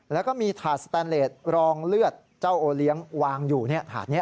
แล้วก็มีถาดสแตนเลสรองเลือดเจ้าโอเลี้ยงวางอยู่ถาดนี้